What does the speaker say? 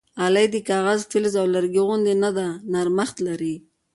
غالۍ د کاغذ، فلز او لرګي غوندې نه ده، نرمښت لري.